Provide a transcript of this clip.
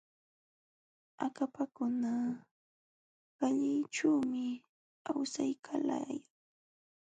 Akapakuna kallićhuumi awsaykalakan.